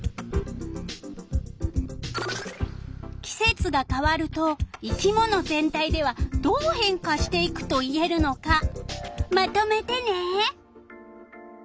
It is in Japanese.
季節が変わると生き物全体ではどう変化していくと言えるのかまとめてね！